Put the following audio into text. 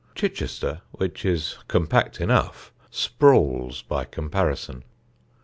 Chichester, which is compact enough, sprawls by comparison.